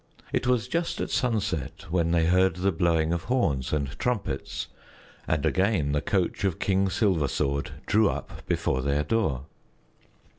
It was just at sunset when they heard the blowing of horns and trumpets, and again the coach of King Silversword drew up before their door.